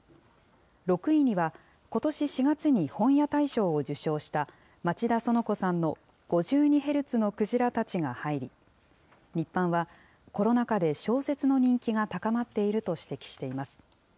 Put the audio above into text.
６位には、ことし４月に本屋大賞を受賞した町田そのこさんの５２ヘルツのクジラたちが入り、日販はコロナ禍で小説の人気が高まっていると指摘しています。